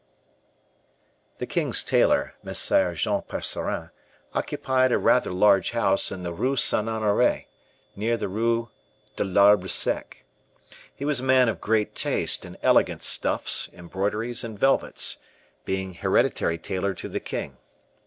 The king's tailor, Messire Jean Percerin, occupied a rather large house in the Rue St. Honore, near the Rue de l'Arbre Sec. He was a man of great taste in elegant stuffs, embroideries, and velvets, being hereditary tailor to the king.